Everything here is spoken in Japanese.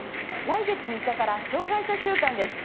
来月３日から障害者週間です。